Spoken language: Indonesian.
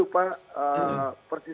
sudah hampir dua puluh kasus